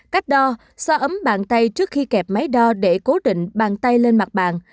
cách đo so ấm bàn tay trước khi kẹp máy đo để cố định bàn tay lên mặt bàn